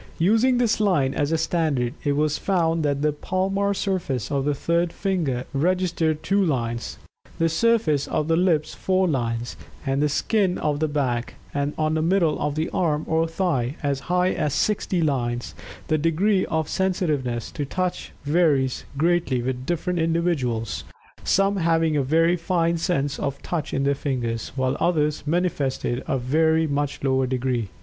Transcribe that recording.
Using this "line" as a standard, it was found that the palmar surface of the third finger registered 2 lines; the surface of the lips 4 lines, and the skin of the back, and on the middle of the arm or thigh, as high as 60 lines The degree of sensitiveness to Touch varies greatly with different individuals, some having a very fine sense of touch in their fingers, while others manifested a very much lower degree.